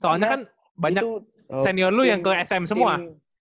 soalnya kan banyak senior lu yang ke sm semua